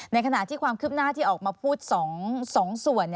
ในขณะที่ความคืบหน้าที่ออกมาพูด๒ส่วน